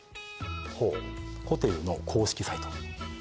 ほうホテルの公式サイト